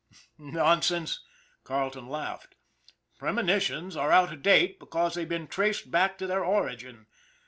" Nonsense," Carleton laughed. " Premonitions are out of date, because they've been traced back to their origin.